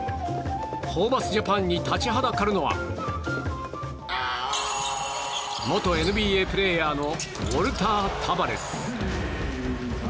ホーバスジャパンに立ちはだかるのは元ＮＢＡプレーヤーのウォルター・タバレス。